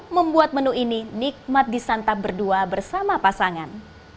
membuat menu ini nikmat disantap berdua bersama pasangan